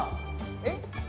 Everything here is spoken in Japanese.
えっ？